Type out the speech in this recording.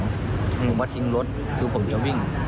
พี่อรูปะทิ้งรถคือผมอยากวิ่ง